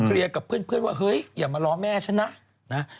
เคลียร์กับเพื่อนว่าเฮ้ยอย่ามาล้อแม่ฉันนะ